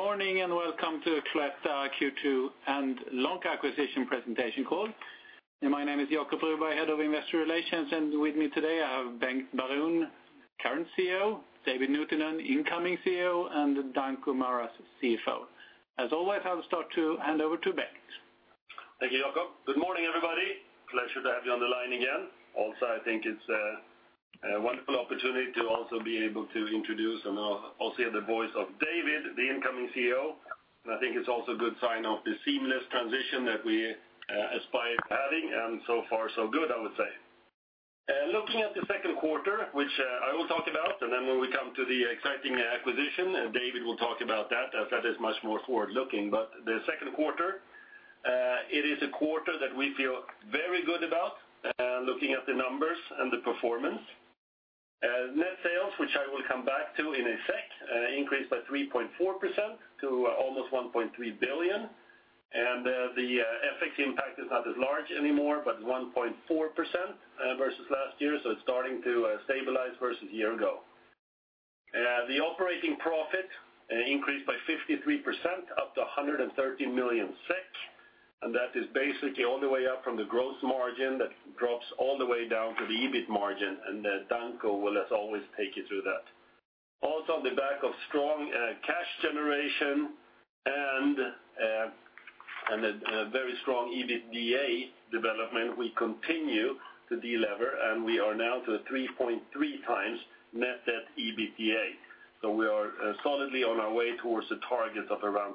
Good morning, and welcome to Cloetta Q2 and Lonka acquisition presentation call. My name is Jacob Broberg, Head of Investor Relations, and with me today, I have Bengt Baron, current CEO, David Nuutinen, an incoming CEO, and Danko Maras, CFO. As always, I'll start to hand over to Bengt. Thank you, Jacob. Good morning, everybody. Pleasure to have you on the line again. Also, I think it's a wonderful opportunity to also be able to introduce and also hear the voice of David, the incoming CEO. And I think it's also a good sign of the seamless transition that we aspire to having, and so far, so good, I would say. Looking at the second quarter, which I will talk about, and then when we come to the exciting acquisition, David will talk about that, as that is much more forward-looking. But the second quarter, it is a quarter that we feel very good about, looking at the numbers and the performance. Net sales, which I will come back to in a sec, increased by 3.4% to almost 1.3 billion. The FX impact is not as large anymore, but 1.4% versus last year, so it's starting to stabilize versus a year ago. The operating profit increased by 53%, up to 113 million SEK, and that is basically all the way up from the gross margin that drops all the way down to the EBIT margin, and then Danko will, as always, take you through that. On the back of strong cash generation and a very strong EBITDA development, we continue to delever, and we are now at a 3.3x net debt EBITDA. We are solidly on our way towards the target of around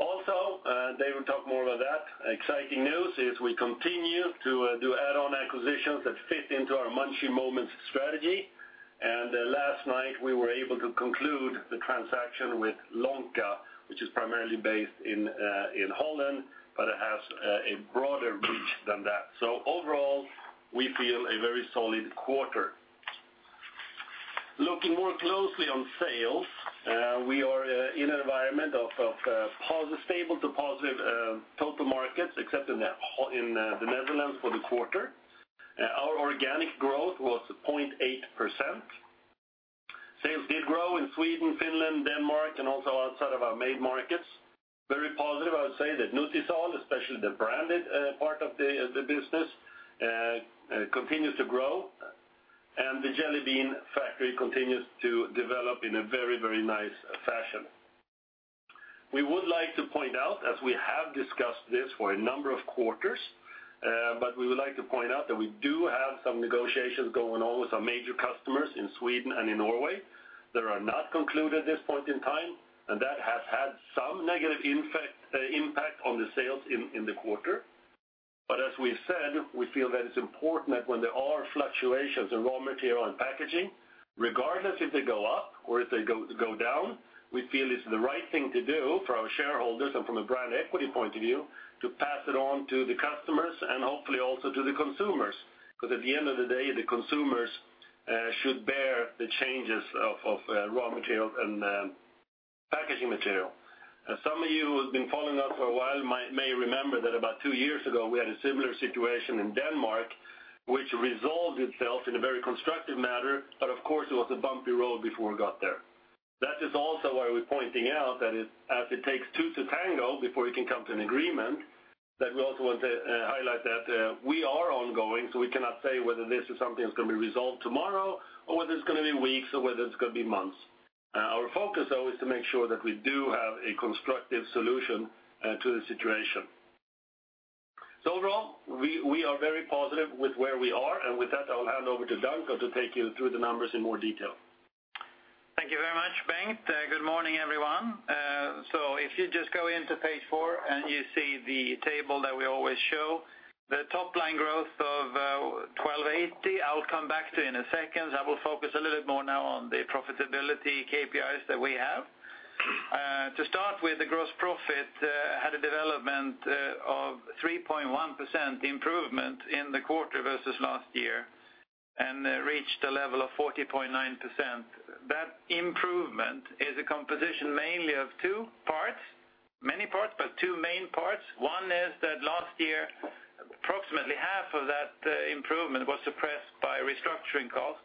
2.5. David will talk more about that. Exciting news is we continue to do add-on acquisitions that fit into our Munchy Moments strategy. And last night, we were able to conclude the transaction with Lonka, which is primarily based in Holland, but it has a broader reach than that. So overall, we feel a very solid quarter. Looking more closely on sales, we are in an environment of stable to positive total markets, except in the Netherlands for the quarter. Our organic growth was 0.8%. Sales did grow in Sweden, Finland, Denmark, and also outside of our main markets. Very positive, I would say that Nutisal, especially the branded part of the business, continues to grow, and the Jelly Bean Factory continues to develop in a very, very nice fashion. We would like to point out, as we have discussed this for a number of quarters, but we would like to point out that we do have some negotiations going on with some major customers in Sweden and in Norway, that are not concluded at this point in time, and that has had some negative impact on the sales in the quarter. But as we've said, we feel that it's important that when there are fluctuations in raw material and packaging, regardless if they go up or if they go down, we feel it's the right thing to do for our shareholders and from a brand equity point of view, to pass it on to the customers and hopefully also to the consumers. Because at the end of the day, the consumers should bear the changes of, of, raw material and, packaging material. As some of you who have been following us for a while, might, may remember that about two years ago, we had a similar situation in Denmark, which resolved itself in a very constructive manner, but of course, it was a bumpy road before we got there. That is also why we're pointing out that it, as it takes two to tango before we can come to an agreement, that we also want to, highlight that, we are ongoing, so we cannot say whether this is something that's going to be resolved tomorrow, or whether it's going to be weeks, or whether it's going to be months. Our focus, though, is to make sure that we do have a constructive solution to the situation. So overall, we, we are very positive with where we are, and with that, I will hand over to Danko to take you through the numbers in more detail. Thank you very much, Bengt. Good morning, everyone. So if you just go into page four, and you see the table that we always show, the top line growth of 12.8, I'll come back to in a second. I will focus a little bit more now on the profitability KPIs that we have. To start with, the gross profit had a development of 3.1% improvement in the quarter versus last year, and reached a level of 40.9%. That improvement is a composition mainly of two parts, many parts, but two main parts. One is that last year, approximately half of that improvement was suppressed by restructuring costs.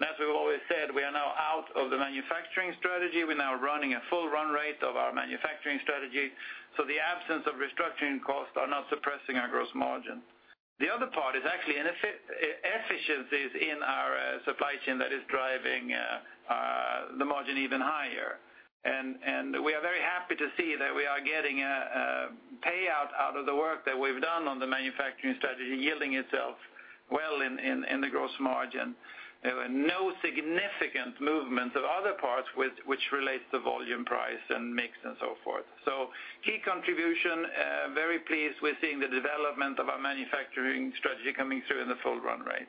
And as we've always said, we are now out of the manufacturing strategy. We're now running a full run rate of our manufacturing strategy, so the absence of restructuring costs are not suppressing our gross margin. The other part is actually in efficiencies in our supply chain that is driving the margin even higher. And we are very happy to see that we are getting a payout out of the work that we've done on the manufacturing strategy, yielding itself well in the gross margin. There were no significant movements of other parts which relate to volume, price, and mix, and so forth. So key contribution, very pleased with seeing the development of our manufacturing strategy coming through in the full run rate.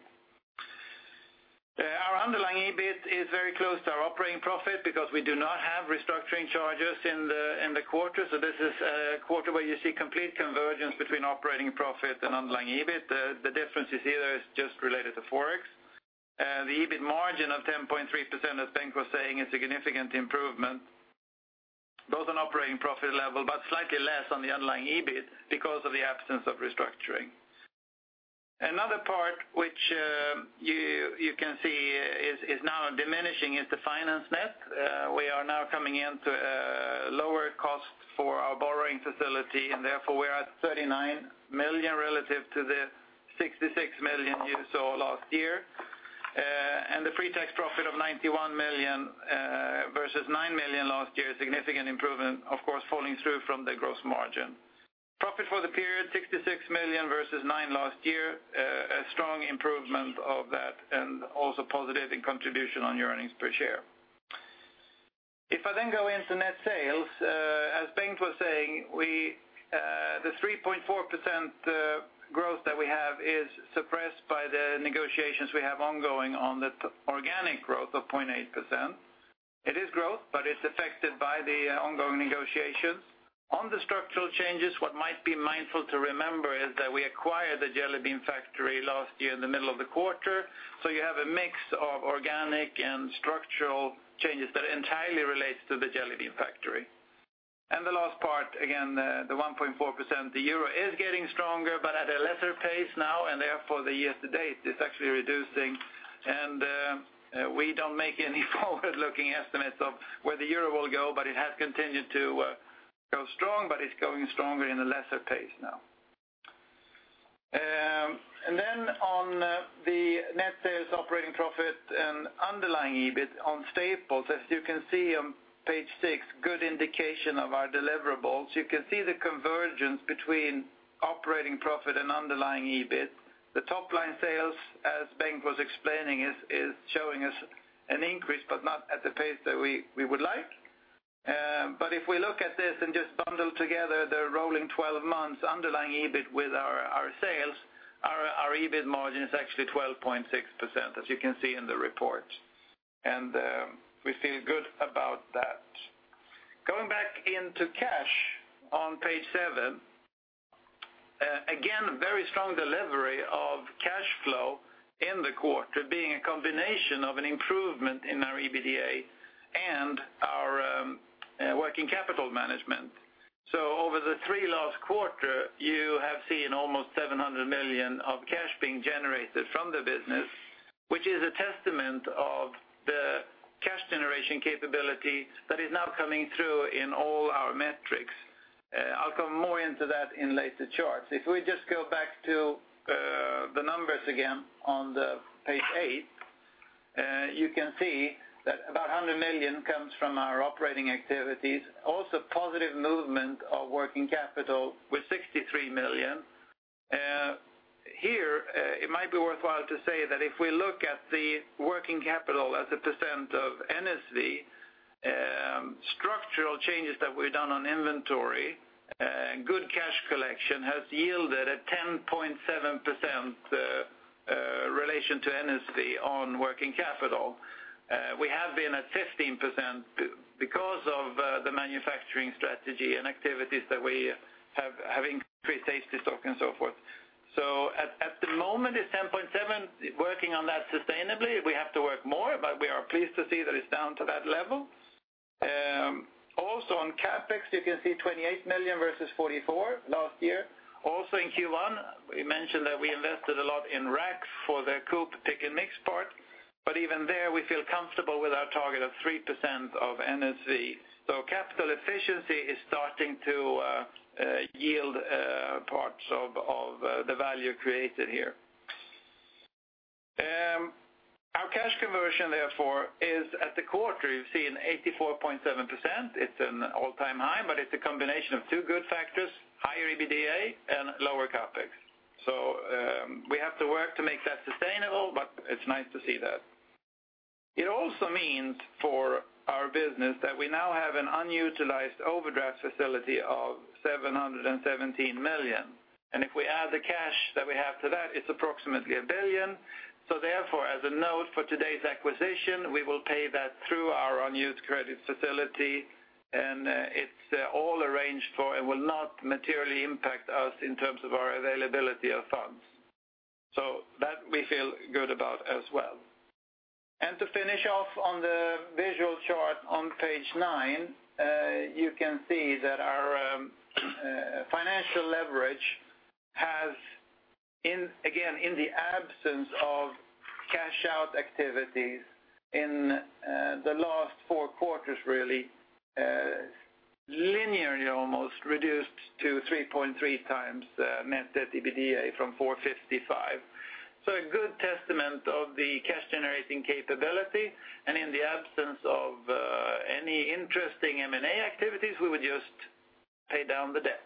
Our underlying EBIT is very close to our operating profit because we do not have restructuring charges in the quarter. So this is a quarter where you see complete convergence between operating profit and underlying EBIT. The difference you see there is just related to FX. The EBIT margin of 10.3%, as Bengt was saying, is significant improvement at the operating profit level, but slightly less on the underlying EBIT because of the absence of restructuring. Another part which you can see is now diminishing is the finance net. We are now coming into a lower cost for our borrowing facility, and therefore, we're at 39 million relative to the 66 million you saw last year. And the pre-tax profit of 91 million versus 9 million last year, significant improvement, of course, falling through from the gross margin. Profit for the period, 66 million versus 9 million last year, a strong improvement of that, and also positive in contribution on your earnings per share. If I then go into net sales, as Bengt was saying, we, the 3.4% growth that we have is suppressed by the negotiations we have ongoing on the organic growth of 0.8%. It is growth, but it's affected by the ongoing negotiations. On the structural changes, what might be mindful to remember is that we acquired The Jelly Bean Factory last year in the middle of the quarter, so you have a mix of organic and structural changes that entirely relates to The Jelly Bean Factory. And the last part, again, the one point four percent, the euro is getting stronger, but at a lesser pace now, and therefore, the year to date is actually reducing. And we don't make any forward-looking estimates of where the euro will go, but it has continued to go strong, but it's going stronger in a lesser pace now. And then on the net sales, operating profit, and underlying EBIT on staples, as you can see on page 6, good indication of our deliverables. You can see the convergence between operating profit and underlying EBIT. The top-line sales, as Bengt was explaining, is showing us an increase, but not at the pace that we would like. But if we look at this and just bundle together the rolling twelve months underlying EBIT with our, our sales, our, our EBIT margin is actually 12.6%, as you can see in the report, and we feel good about that. Going back into cash on page seven, again, very strong delivery of cash flow in the quarter, being a combination of an improvement in our EBITDA and our, working capital management. So over the 3 last quarter, you have seen almost 700 million of cash being generated from the business, which is a testament of the cash generation capability that is now coming through in all our metrics. I'll come more into that in later charts. If we just go back to the numbers again on page 8, you can see that about 100 million comes from our operating activities, also positive movement of working capital with 63 million. It might be worthwhile to say that if we look at the working capital as a percent of NSV, structural changes that we've done on inventory, good cash collection has yielded a 10.7% relation to NSV on working capital. We have been at 15% because of the manufacturing strategy and activities that we have increased safety stock and so forth. So at the moment, it's 10.7. Working on that sustainably, we have to work more, but we are pleased to see that it's down to that level. Also on CapEx, you can see 28 million versus 44 million last year. Also in Q1, we mentioned that we invested a lot in rack for the Coop pick & mix part, but even there, we feel comfortable with our target of 3% of NSV. So capital efficiency is starting to yield parts of the value created here. Our cash conversion, therefore, is at the quarter; you've seen 84.7%. It's an all-time high, but it's a combination of two good factors, higher EBITDA and lower CapEx. So we have to work to make that sustainable, but it's nice to see that. It also means for our business that we now have an unutilized overdraft facility of 717 million. And if we add the cash that we have to that, it's approximately 1 billion. So therefore, as a note for today's acquisition, we will pay that through our unused credit facility, and it's all arranged for and will not materially impact us in terms of our availability of funds. So that we feel good about as well. And to finish off on the visual chart on page nine, you can see that our financial leverage has again, in the absence of cash out activities in the last four quarters, really linearly almost reduced to 3.3 times net debt EBITDA from 4.55. So a good testament of the cash-generating capability, and in the absence of any interesting M&A activities, we would just pay down the debt.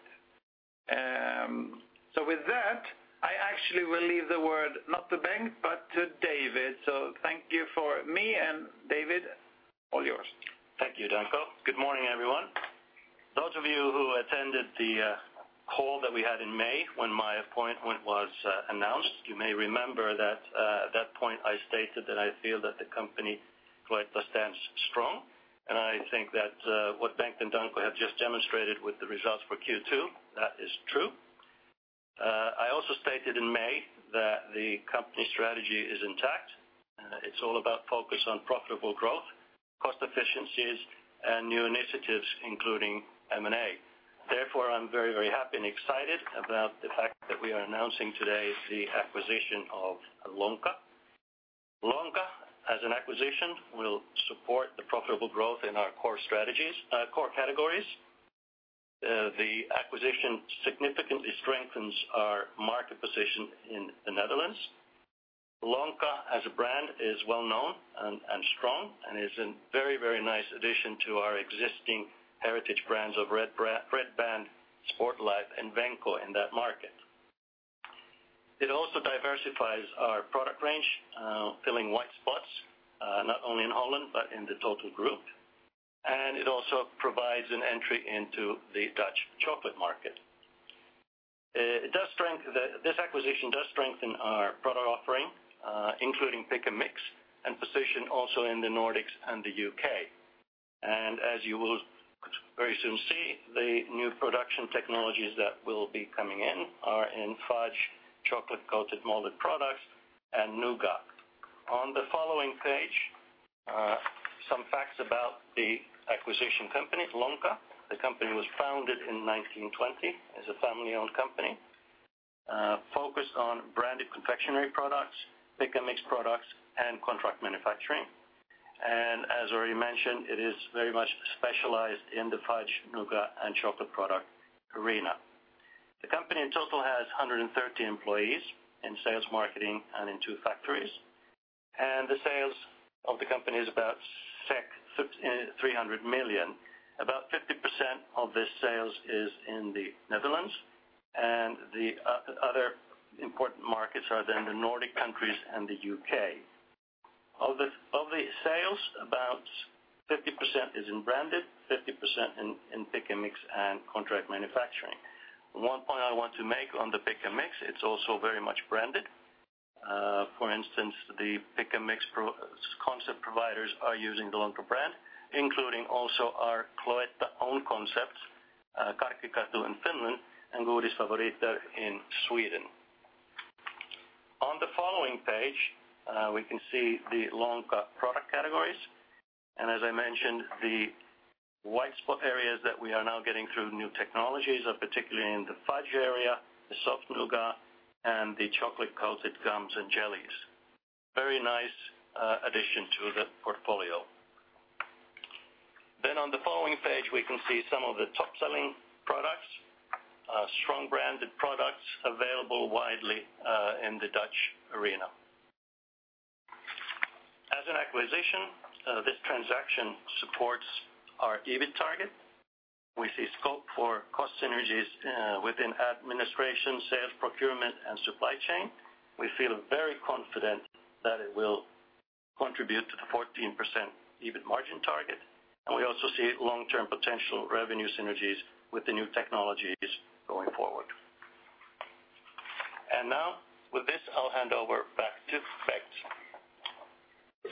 So with that, I actually will leave the word not to Bengt, but to David. So thank you for me, and David, all yours. Thank you, Danko. Good morning, everyone. Those of you who attended the call that we had in May, when my appointment was announced, you may remember that at that point I stated that I feel that the company quite stands strong. And I think that what Bengt and Danko have just demonstrated with the results for Q2, that is true. I also stated in May that the company strategy is intact. It's all about focus on profitable growth, cost efficiencies, and new initiatives, including M&A. Therefore, I'm very, very happy and excited about the fact that we are announcing today the acquisition of Lonka. Lonka, as an acquisition, will support the profitable growth in our core strategies, core categories. The acquisition significantly strengthens our market position in the Netherlands. Lonka, as a brand, is well known and strong, and is a very, very nice addition to our existing heritage brands of Red Band, Sportlife, and Venco in that market. It also diversifies our product range, filling white spots, not only in Holland, but in the total group, and it also provides an entry into the Dutch chocolate market. This acquisition does strengthen our product offering, including pick and mix, and position also in the Nordics and the UK. As you will very soon see, the new production technologies that will be coming in are in fudge, chocolate-coated molded products, and nougat. On the following page, some facts about the acquisition company, Lonka. The company was founded in 1920, as a family-owned company, focused on branded confectionery products, pick and mix products, and contract manufacturing. As already mentioned, it is very much specialized in the fudge, nougat, and chocolate product arena. The company in total has 130 employees in sales, marketing, and in two factories, and the sales of the company is about 300 million. About 50% of the sales is in the Netherlands, and the other important markets are then the Nordic countries and the U.K. Of the sales, about 50% is in branded, 50% in pick and mix and contract manufacturing. One point I want to make on the pick and mix, it's also very much branded. For instance, the pick and mix concept providers are using the Lonka brand, including also our Cloetta own concepts, Karkkikatu in Finland and Godisfavoriter in Sweden. On the following page, we can see the Lonka product categories. As I mentioned, the white spot areas that we are now getting through new technologies are particularly in the fudge area, the soft nougat, and the chocolate-coated gums and jellies. Very nice addition to the portfolio. On the following page, we can see some of the top-selling products, strong branded products available widely in the Dutch arena. As an acquisition, this transaction supports our EBIT target. We see scope for cost synergies within administration, sales, procurement, and supply chain. We feel very confident that it will contribute to the 14% EBIT margin target, and we also see long-term potential revenue synergies with the new technologies going forward. Now, with this, I'll hand over back to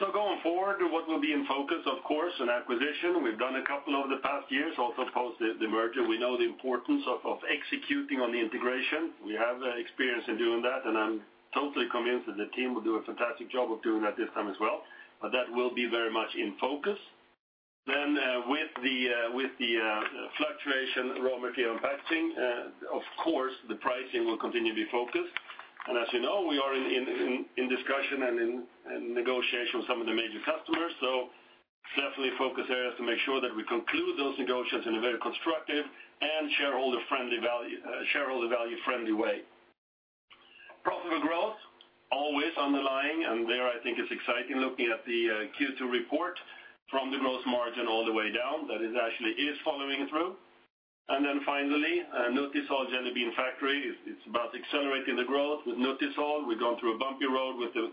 Bengt. Going forward, what will be in focus, of course, an acquisition. We've done a couple over the past years, also post the merger. We know the importance of executing on the integration. We have the experience in doing that, and I'm totally convinced that the team will do a fantastic job of doing that this time as well. But that will be very much in focus. Then, with the fluctuation, raw material and packaging, of course, the pricing will continue to be focused. And as you know, we are in discussion and in negotiation with some of the major customers, so definitely focus areas to make sure that we conclude those negotiations in a very constructive and shareholder-friendly value, shareholder value-friendly way. Profitable growth, always underlying, and there I think it's exciting looking at the Q2 report from the growth margin all the way down, that it actually is following through. And then finally, Nutisal Jelly Bean Factory, it's about accelerating the growth. With Nutisal, we've gone through a bumpy road with the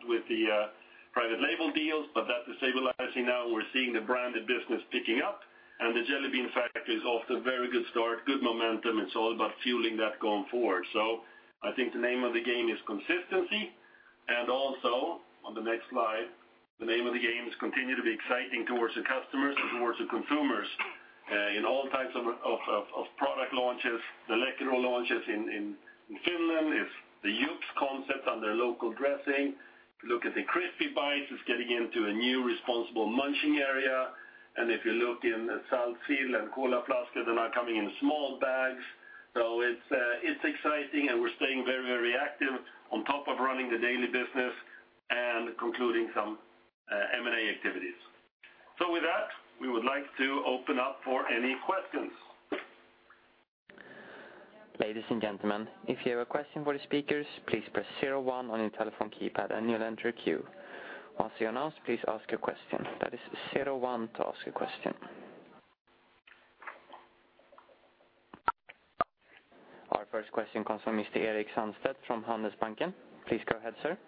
private label deals, but that's stabilizing now. We're seeing the branded business picking up, and the Jelly Bean Factory is off to a very good start, good momentum. It's all about fueling that going forward. So I think the name of the game is consistency, and also, on the next slide, the name of the game is continue to be exciting towards the customers and towards the consumers in all types of product launches. The Läkerol launches in Finland, it's the YUP concept on their local dressing. Look at the Crispy Bites, it's getting into a new responsible munching area. And if you look in Salty and Cola Flaskor, they're now coming in small bags. So it's, it's exciting, and we're staying very, very active on top of running the daily business and concluding some M&A activities. So with that, we would like to open up for any questions. Ladies and gentlemen, if you have a question for the speakers, please press zero-one on your telephone keypad, and you'll enter a queue. Once you're announced, please ask your question. That is zero-one to ask a question. Our first question comes from Mr. Erik Sandstedt from Handelsbanken. Please go ahead, sir.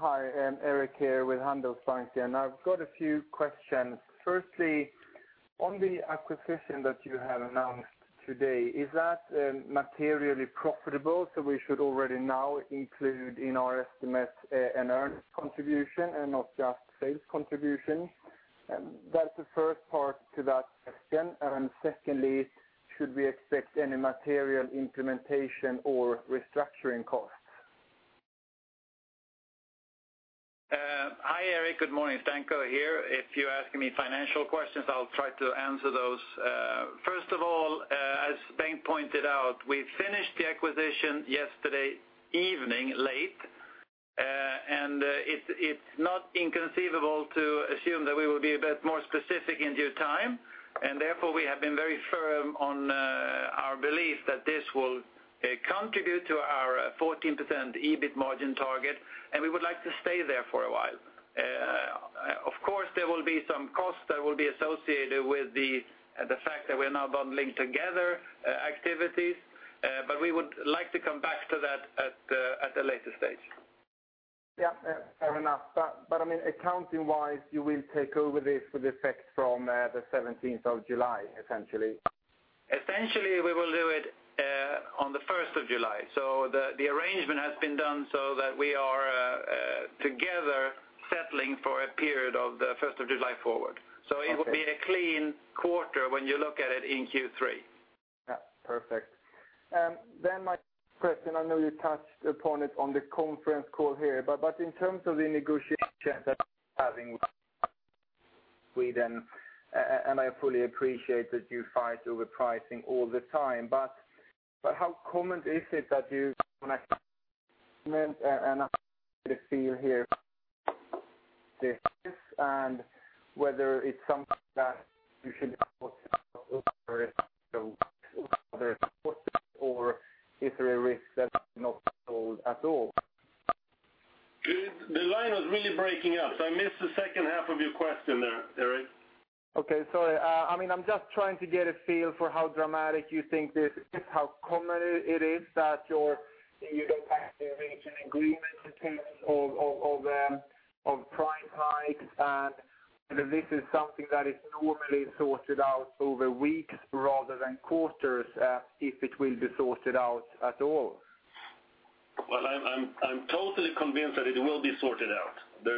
Hi, Erik here with Handelsbanken. I've got a few questions. Firstly, on the acquisition that you have announced today, is that materially profitable, so we should already now include in our estimate an earnings contribution and not just sales contribution? And that's the first part to that question. And secondly, should we expect any material implementation or restructuring costs? Hi, Erik. Good morning. Danko here. If you're asking me financial questions, I'll try to answer those. First of all, as Bengt pointed out, we finished the acquisition yesterday evening, late. And it's not inconceivable to assume that we will be a bit more specific in due time, and therefore, we have been very firm on our belief that this will contribute to our 14% EBIT margin target, and we would like to stay there for a while. Of course, there will be some costs that will be associated with the fact that we're now bundling together activities, but we would like to come back to that at a later stage. Yeah, yeah, fair enough. But, I mean, accounting-wise, you will take over this with effect from, the seventeenth of July, essentially? Essentially, we will do it on the first of July. So the arrangement has been done so that we are together settling for a period of the first of July forward. Okay. It will be a clean quarter when you look at it in Q3. Yeah, perfect. Then my question, I know you touched upon it on the conference call here, but in terms of the negotiations that you're having with Sweden, and I fully appreciate that you fight over pricing all the time. But, but how common is it that you- when I... and I get a feel here, this, and whether it's something that you should or is there a risk that not at all? The line was really breaking up, so I missed the second half of your question there, Erik. Okay, sorry. I mean, I'm just trying to get a feel for how dramatic you think this is, how common it is that you don't actually reach an agreement in terms of price hike, and whether this is something that is normally sorted out over weeks rather than quarters, if it will be sorted out at all. Well, I'm totally convinced that it will be sorted out.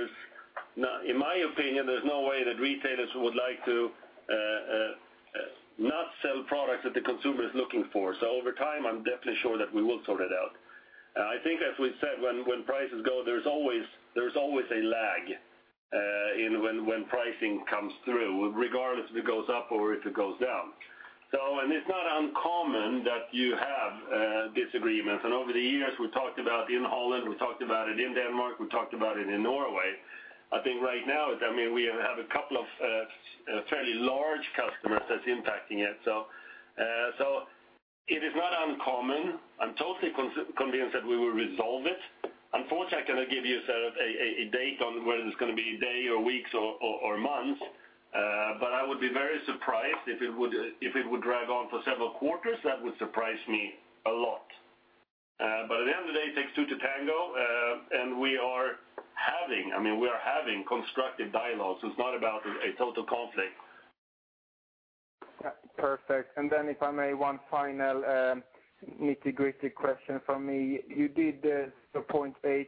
In my opinion, there's no way that retailers would like to not sell products that the consumer is looking for. So over time, I'm definitely sure that we will sort it out. I think, as we said, when prices go, there's always a lag in when pricing comes through, regardless if it goes up or if it goes down. So, and it's not uncommon that you have disagreements. And over the years, we talked about in Holland, we talked about it in Denmark, we talked about it in Norway. I think right now, I mean, we have a couple of fairly large customers that's impacting it. So, so it is not uncommon. I'm totally convinced that we will resolve it. Unfortunately, I cannot give you sort of a date on whether it's gonna be day or weeks or months, but I would be very surprised if it would drag on for several quarters. That would surprise me a lot. But at the end of the day, it takes two to tango, and we are having, I mean, we are having constructive dialogues. It's not about a total conflict. Perfect. And then, if I may, one final, nitty-gritty question from me. You did the 0.8%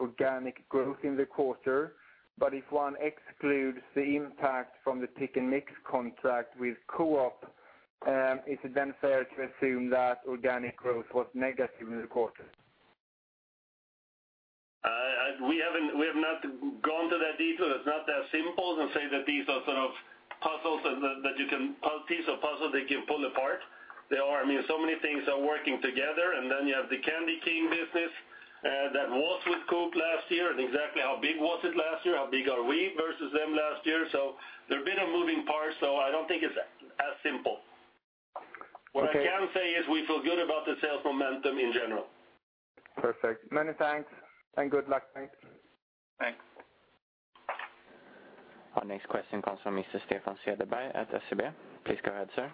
organic growth in the quarter, but if one excludes the impact from the pick & mix contract with Coop, is it then fair to assume that organic growth was negative in the quarter? We have not gone to that detail. It's not that simple to say that these are sort of puzzles that you can piece of puzzle that you can pull apart. There are, I mean, so many things are working together, and then you have the Candy King business that was with Coop last year, and exactly how big was it last year? How big are we versus them last year? So there have been moving parts, so I don't think it's as simple. Okay. What I can say is we feel good about the sales momentum in general. Perfect. Many thanks, and good luck. Thanks. Thanks. Our next question comes from Mr. Stefan Cederberg at SEB. Please go ahead, sir.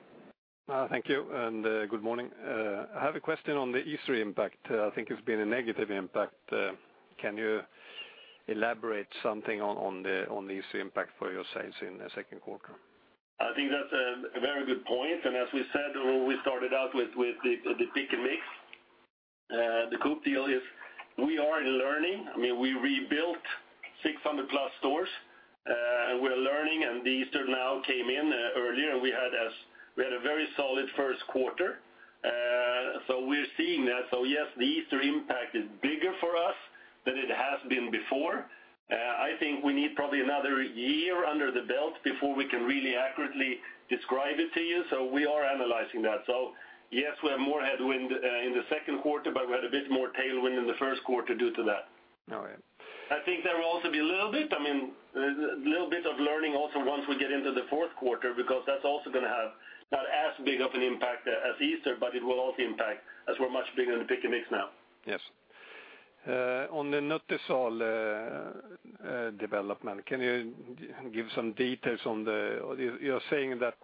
Thank you, and, good morning. I have a question on the Easter impact. I think it's been a negative impact. Can you elaborate something on the Easter impact for your sales in the second quarter? I think that's a very good point. And as we said, we started out with the pick and mix. The Coop deal is we are learning. I mean, we rebuilt 600+ stores, and we're learning, and the Easter now came in earlier, and we had a very solid first quarter. So we're seeing that. So yes, the Easter impact is bigger for us than it has been before. I think we need probably another year under the belt before we can really accurately describe it to you. So we are analyzing that. So yes, we have more headwind in the second quarter, but we had a bit more tailwind in the first quarter due to that. All right. I think there will also be a little bit, I mean, a little bit of learning also once we get into the fourth quarter, because that's also gonna have not as big of an impact as Easter, but it will also impact as we're much bigger in the pick and mix now. Yes. On the Nutisal development, can you give some details on the... You're saying that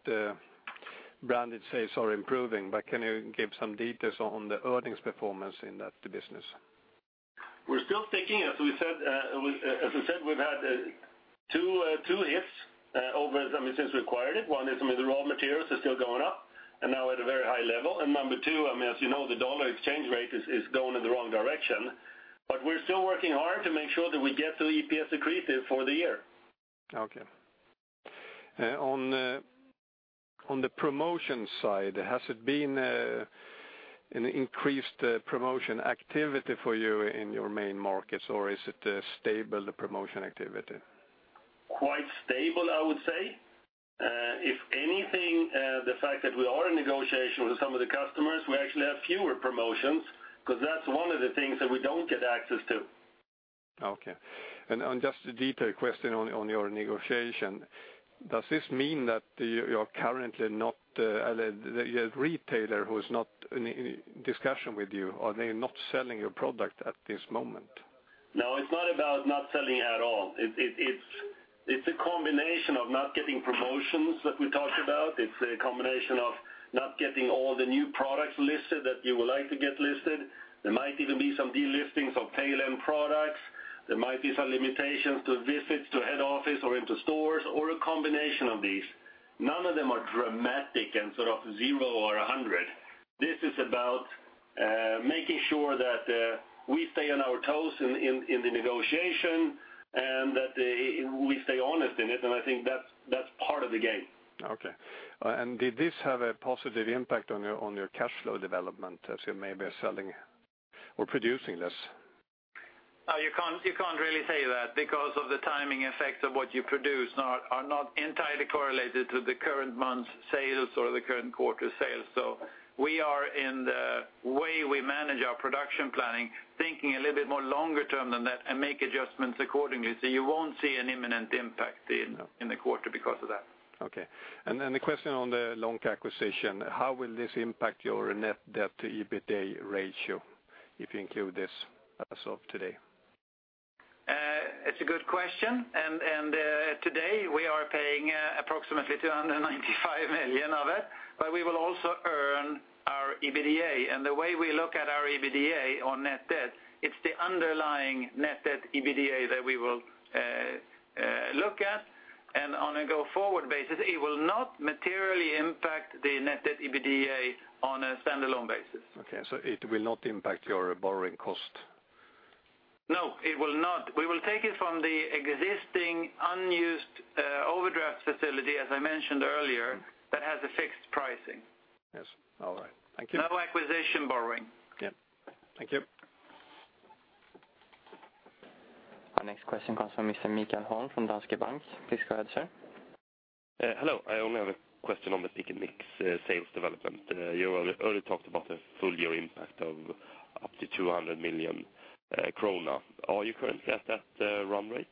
branded sales are improving, but can you give some details on the earnings performance in that business? We're still sticking, as we said, as I said, we've had two issues since we acquired it. One is, I mean, the raw materials are still going up, and now at a very high level. And number two, I mean, as you know, the US dollar exchange rate is going in the wrong direction. But we're still working hard to make sure that we get to EPS accretive for the year. Okay. On the, on the promotion side, has it been an increased promotion activity for you in your main markets, or is it stable, the promotion activity? Quite stable, I would say. If anything, the fact that we are in negotiation with some of the customers, we actually have fewer promotions, 'cause that's one of the things that we don't get access to. Okay. And just a detail question on your negotiation. Does this mean that you, you're currently not the retailer who is not in discussion with you, are they not selling your product at this moment? No, it's not about not selling at all. It's a combination of not getting promotions that we talked about. It's a combination of not getting all the new products listed that you would like to get listed. There might even be some delistings of tail-end products. There might be some limitations to visits, to head office or into stores, or a combination of these. None of them are dramatic and sort of zero or a hundred. This is about making sure that we stay on our toes in the negotiation, and that we stay honest in it, and I think that's part of the game. Okay. Did this have a positive impact on your, on your cash flow development, as you may be selling or producing less? You can't really say that because of the timing effects of what you produce are not entirely correlated to the current month's sales or the current quarter's sales. So we are in the way we manage our production planning, thinking a little bit more longer term than that, and make adjustments accordingly. So you won't see an imminent impact in- No... in the quarter because of that. Okay. And then the question on the Lonka acquisition, how will this impact your net debt to EBITDA ratio if you include this as of today? It's a good question, and, and, today we are paying approximately 295 million of it, but we will also earn our EBITDA. And the way we look at our EBITDA on net debt, it's the underlying net debt EBITDA that we will, look at. And on a go-forward basis, it will not materially impact the net debt EBITDA on a standalone basis. Okay, so it will not impact your borrowing cost? No, it will not. We will take it from the existing unused overdraft facility, as I mentioned earlier- Mm. that has a fixed pricing. Yes. All right. Thank you. No acquisition borrowing. Yeah. Thank you. Our next question comes from Mr. Mikael Holm from Danske Bank. Please go ahead, sir. Hello. I only have a question on the pick & mix sales development. You earlier talked about a full year impact of up to 200 million krona. Are you currently at that run rate?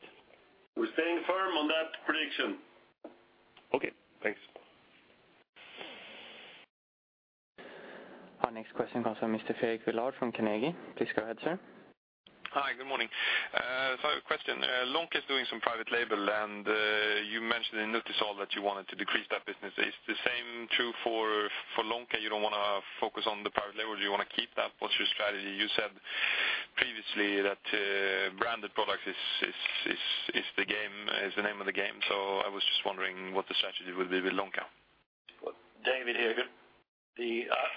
We're staying firm on that prediction. Okay, thanks. Our next question comes from Mr. Fredrik Villard from Carnegie. Please go ahead, sir. Hi, good morning. So I have a question. Lonka is doing some private label, and you mentioned in Nutisal that you wanted to decrease that business. Is the same true for Lonka? You don't wanna focus on the private label, or do you want to keep that? What's your strategy? You said previously that branded products is the name of the game, so I was just wondering what the strategy would be with Lonka. David here.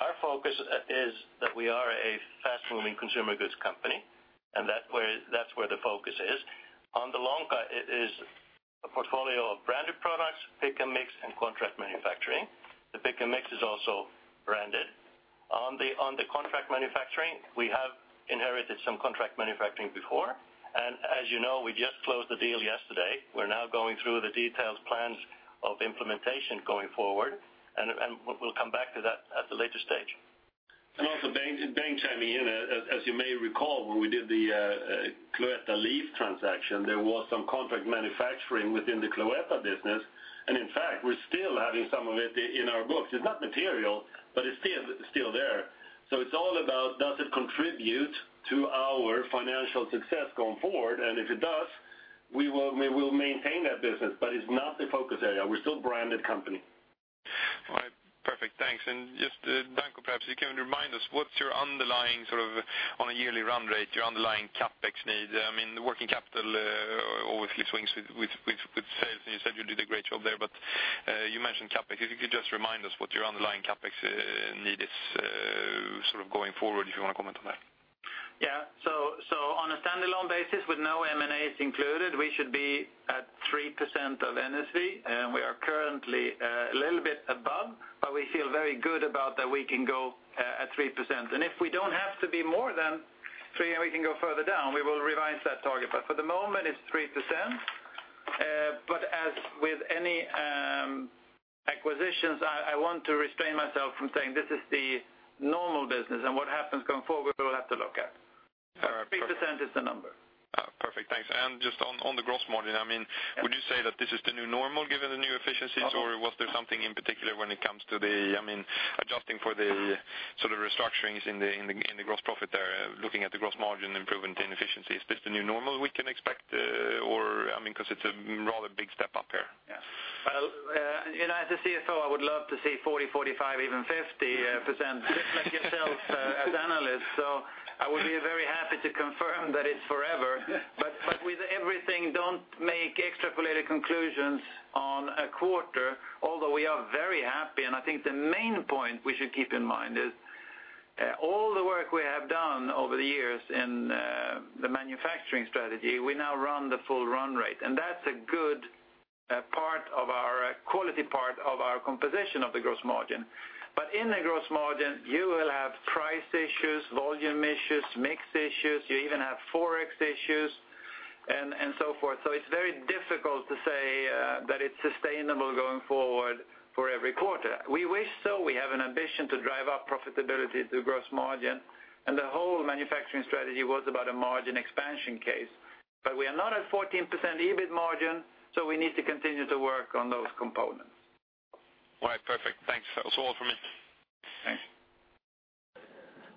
Our focus is that we are a fast-moving consumer goods company, and that's where the focus is. On the Lonka, it is a portfolio of branded products, pick & mix, and contract manufacturing. The pick & mix is also branded. On the contract manufacturing, we have inherited some contract manufacturing before, and as you know, we just closed the deal yesterday. We're now going through the detailed plans of implementation going forward, and we'll come back to that at a later stage. And also, Bengt chiming in, as you may recall, when we did the Cloetta Leaf transaction, there was some contract manufacturing within the Cloetta business. And in fact, we're still having some of it in our books. It's not material, but it's still there. So it's all about, does it contribute to our financial success going forward? And if it does, we will maintain that business, but it's not the focus area. We're still a branded company. All right. Perfect, thanks. And just, Danko, perhaps you can remind us, what's your underlying, sort of on a yearly run rate, your underlying CapEx need? I mean, the working capital, obviously swings with sales, and you said you did a great job there, but, you mentioned CapEx. If you could just remind us what your underlying CapEx need is, sort of going forward, if you want to comment on that. Yeah. So on a standalone basis, with no M&As included, we should be at 3% of NSV, and we are currently a little bit above, but we feel very good about that we can go at 3%. And if we don't have to be more than 3%, and we can go further down, we will revise that target. But for the moment, it's 3%. But as with any acquisitions, I want to restrain myself from saying, this is the normal business, and what happens going forward, we will have to look at. Uh, perfect. 3% is the number. Perfect. Thanks. And just on the gross margin, I mean- Yeah... would you say that this is the new normal, given the new efficiencies? Uh-huh. Or was there something in particular when it comes to the, I mean, adjusting for the sort of restructurings in the gross profit there, looking at the gross margin improvement in efficiency, is this the new normal we can expect? Or, I mean, 'cause it's a rather big step up here. Yeah. Well, as a CFO, I would love to see 40, 45, even 50%, just like yourselves as analysts. So I would be very happy to confirm that it's forever- ... don't make extrapolated conclusions on a quarter, although we are very happy. And I think the main point we should keep in mind is, all the work we have done over the years in, the manufacturing strategy, we now run the full run rate, and that's a good, part of our quality, part of our composition of the gross margin. But in the gross margin, you will have price issues, volume issues, mix issues, you even have FX issues, and, and so forth. So it's very difficult to say, that it's sustainable going forward for every quarter. We wish so. We have an ambition to drive up profitability through gross margin, and the whole manufacturing strategy was about a margin expansion case. But we are not at 14% EBIT margin, so we need to continue to work on those components. Right, perfect. Thanks, that's all from me. Thanks.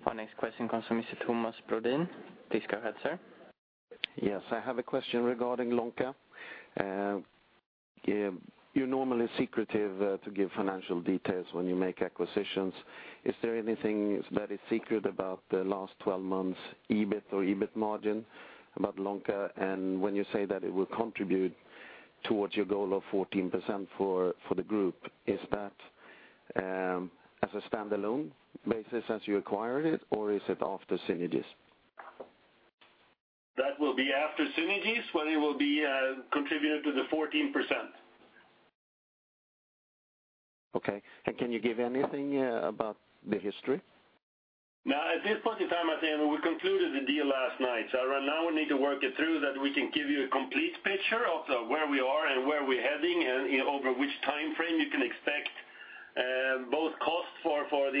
Our next question comes from Mr. Thomas Brodin. Please go ahead, sir. Yes, I have a question regarding Lonka. You're normally secretive to give financial details when you make acquisitions. Is there anything that is secret about the last 12 months, EBIT or EBIT margin, about Lonka? And when you say that it will contribute towards your goal of 14% for, for the group, is that, as a standalone basis as you acquired it, or is it after synergies? That will be after synergies, but it will be contributed to the 14%. Okay. Can you give anything about the history? Now, at this point in time, I think we concluded the deal last night. So right now, we need to work it through, that we can give you a complete picture of where we are and where we're heading, and over which time frame you can expect both costs for the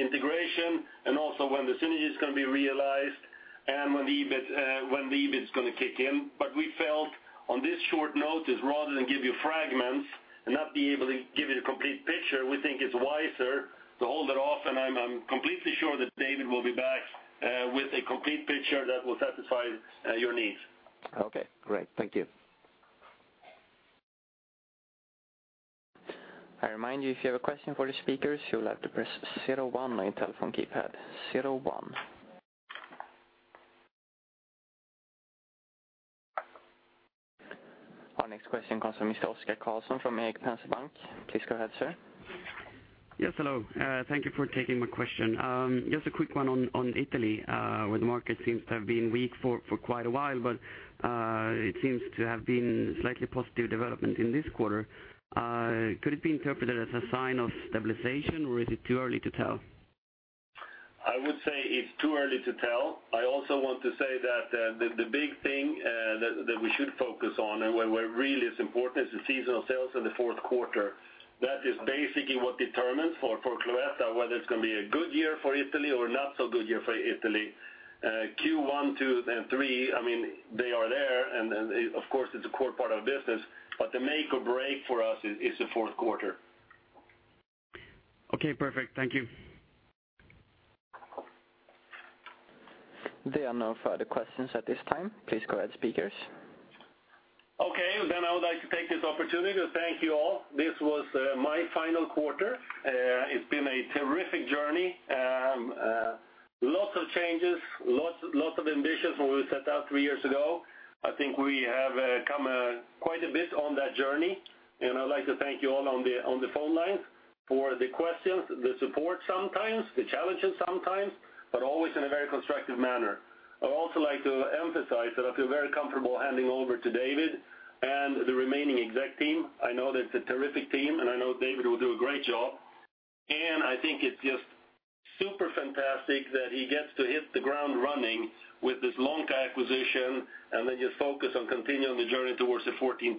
integration, and also when the synergy is gonna be realized, and when the EBIT is gonna kick in. But we felt on this short notice, rather than give you fragments and not be able to give you the complete picture, we think it's wiser to hold it off. And I'm completely sure that David will be back with a complete picture that will satisfy your needs. Okay, great. Thank you. I remind you, if you have a question for the speakers, you'll have to press zero-one on your telephone keypad, zero, one. Our next question comes from Mr. Oscar Karlsson from Erik Penser Bank. Please go ahead, sir. Yes, hello. Thank you for taking my question. Just a quick one on Italy, where the market seems to have been weak for quite a while, but it seems to have been slightly positive development in this quarter. Could it be interpreted as a sign of stabilization, or is it too early to tell? I would say it's too early to tell. I also want to say that the big thing that we should focus on, and where really is important, is the seasonal sales in the fourth quarter. That is basically what determines for Cloetta whether it's gonna be a good year for Italy or not so good year for Italy. Q1, 2, and 3, I mean, they are there, and then, of course, it's a core part of business, but the make or break for us is the fourth quarter. Okay, perfect. Thank you. There are no further questions at this time. Please go ahead, speakers. Okay, then I would like to take this opportunity to thank you all. This was my final quarter. It's been a terrific journey. Lots of changes, lots, lots of ambitions when we set out three years ago. I think we have come quite a bit on that journey, and I'd like to thank you all on the phone line for the questions, the support sometimes, the challenges sometimes, but always in a very constructive manner. I'd also like to emphasize that I feel very comfortable handing over to David and the remaining exec team. I know that it's a terrific team, and I know David will do a great job. I think it's just super fantastic that he gets to hit the ground running with this Lonka acquisition, and then just focus on continuing the journey towards the 14%.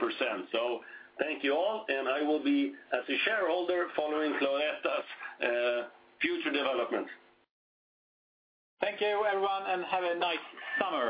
Thank you all, and I will be, as a shareholder, following Cloetta's future development. Thank you, everyone, and have a nice summer.